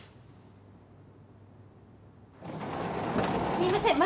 すみません。